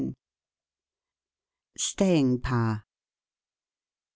STAYING POWER.